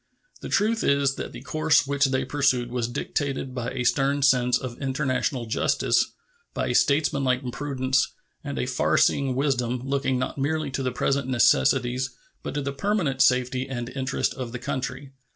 The truth is that the course which they pursued was dictated by a stern sense of international justice, by a statesmanlike prudence and a far seeing wisdom, looking not merely to the present necessities but to the permanent safety and interest of the country.